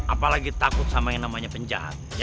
apalagi takut sama yang namanya penjahat